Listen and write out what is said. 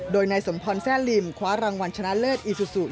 โดยนายสมพรแซ่ลิมคว้ารางวัลชนะเลิศอีซูซู